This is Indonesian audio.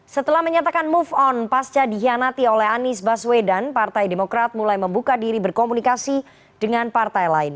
setelah menyatakan move on pasca dihianati oleh anies baswedan partai demokrat mulai membuka diri berkomunikasi dengan partai lain